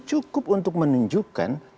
cukup untuk menunjukkan